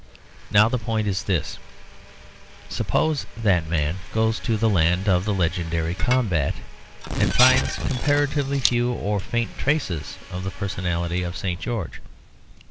Now the point is this; suppose that man goes to the land of the legendary combat; and finds comparatively few or faint traces of the personality of St. George.